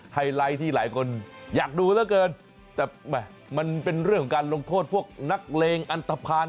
ไฮไลท์ที่หลายคนอยากดูเหลือเกินแต่มันเป็นเรื่องของการลงโทษพวกนักเลงอันตภัณฑ์